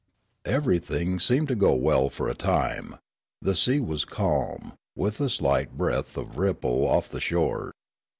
Everything seemed to go well for a time; the sea was calm, with a slight breath and ripple off" the shore.